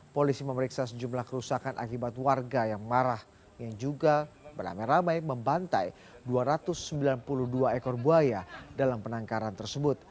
polisi memeriksa sejumlah kerusakan akibat warga yang marah yang juga beramai ramai membantai dua ratus sembilan puluh dua ekor buaya dalam penangkaran tersebut